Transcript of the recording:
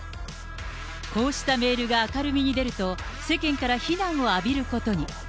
こうしたメールが明るみに出ると、世間から非難を浴びることに。